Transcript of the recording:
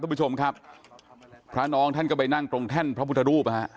คุณผู้ชมครับพระน้องท่านก็ไปนั่งตรงแท่นพระพุทธรูปฮะ